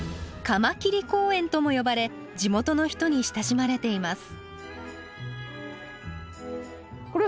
「カマキリ公園」とも呼ばれ地元の人に親しまれています。